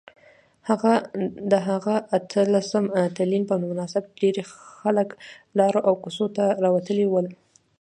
د هغه اتلسم تلین په مناسبت ډیرۍ خلک لارو او کوڅو ته راوتلي ول